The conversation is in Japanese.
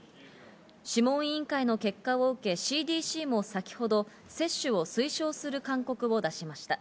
諮問委員会の結果を受け、ＣＤＣも先ほど接種を推奨する勧告を出しました。